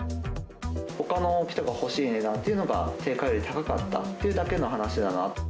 ほかの人が欲しい値段っていうのが、定価より高かったというだけの話だな。